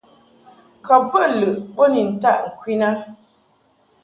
Kɔb bə lɨʼ bo ni ntaʼ ŋkwin a.